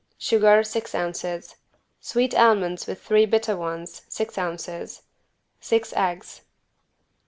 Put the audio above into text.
Sugar, six ounces. Sweet almonds with 3 bitter ones, six ounces. Six eggs.